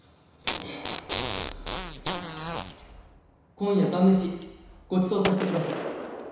「今夜晩メシごちそうさせてください」